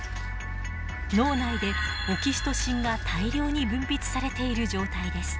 脳内でオキシトシンが大量に分泌されている状態です。